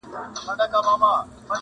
• د اجل د ساقي ږغ ژوندون ته دام وو -